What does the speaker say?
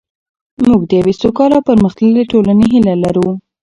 موږ د یوې سوکاله او پرمختللې ټولنې هیله لرو.